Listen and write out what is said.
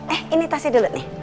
eh ini tasnya dulu nih